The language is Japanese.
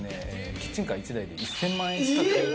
キッチンカー１台で１０００万円ちかくえっ！？